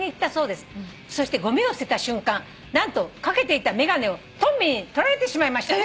「そしてごみを捨てた瞬間何と掛けていた眼鏡をトンビに取られてしまいました」